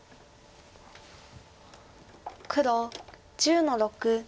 黒１０の六。